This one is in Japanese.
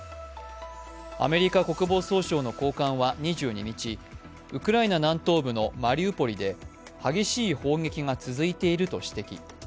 アメリカ国防総省の高官は２２日ウクライナ南東部のマリウポリで激しい砲撃が続いていると指摘。